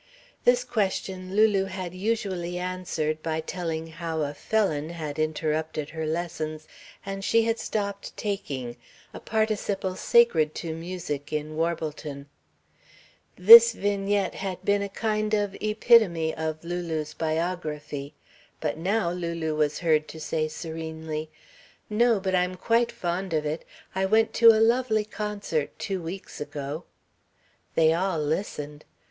This question Lulu had usually answered by telling how a felon had interrupted her lessons and she had stopped "taking" a participle sacred to music, in Warbleton. This vignette had been a kind of epitome of Lulu's biography. But now Lulu was heard to say serenely: "No, but I'm quite fond of it. I went to a lovely concert two weeks ago." They all listened.